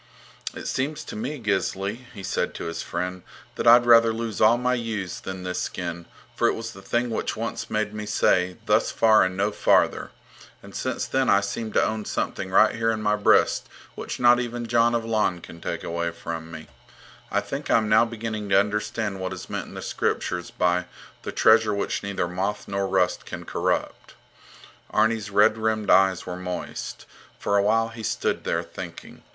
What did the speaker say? It seems to me, Gisli, he said to his friend, that I'd rather lose all my ewes than this skin, for it was the thing which once made me say, 'Thus far and no farther!' And since then I seem to own something right here in my breast which not even Jon of Lon can take away from me. I think I am now beginning to understand what is meant in the Scriptures by 'the treasure which neither moth nor rust can currupt.' Arni's red rimmed eyes were moist. For a while he stood there thinking.